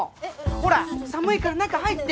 ほら寒いから中入って。